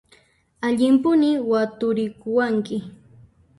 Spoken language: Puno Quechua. Allimpuni waturikuwanki!